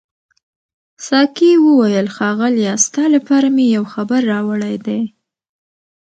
ساقي وویل ښاغلیه ستا لپاره مې یو خبر راوړی دی.